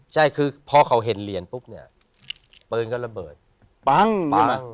ใช่คือพอเขาเห็นเหรียญปุ๊บเนี่ยปืนก็ระเบิดปั้งใช่ไหม